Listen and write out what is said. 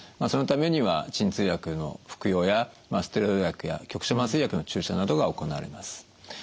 そのためには鎮痛薬の服用やステロイド薬や局所麻酔薬の注射などが行われます。